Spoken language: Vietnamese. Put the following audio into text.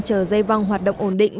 chờ dây vong hoạt động ổn định